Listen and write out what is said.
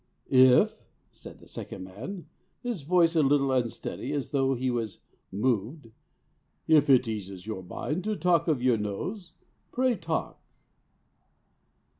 "If," said the second man, his voice a little unsteady, as though he was moved, "if it eases your mind to talk of your nose, pray talk."